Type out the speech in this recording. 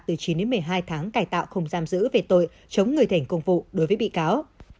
từ chín đến một mươi hai tháng cải tạo không giam giữ về tội chống người thểnh công vụ đối với bị cáo